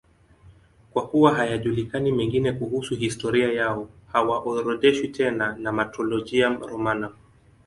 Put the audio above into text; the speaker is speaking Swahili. Kwa kuwa hayajulikani mengine kuhusu historia yao, hawaorodheshwi tena na Martyrologium Romanum.